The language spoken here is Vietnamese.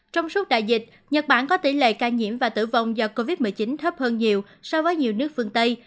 trong suốt đại dịch nhật bản có tỷ lệ ca nhiễm và tử vong do covid một mươi chín thấp hơn nhiều so với nhiều nước phương tây